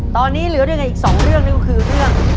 ตอนนี้เหลือด้วยกันอีกสองเรื่องนั่นก็คือเรื่อง